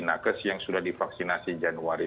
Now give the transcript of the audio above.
nakes yang sudah divaksinasi januari